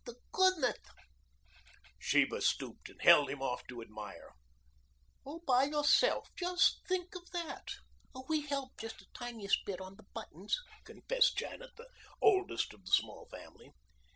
"Honeth to goodness." Sheba stooped and held him off to admire. "All by yourself just think of that." "We helped just the teeniest bit on the buttons," confessed Janet, the oldest of the small family.